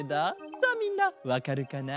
さあみんなわかるかな？